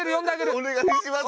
お願いします。